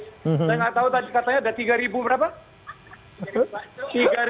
saya nggak tahu tadi katanya ada tiga ribu berapa